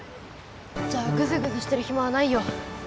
じゃあグズグズしてるひまはないよ。